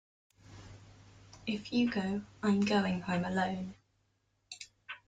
If you go I'm going home alone.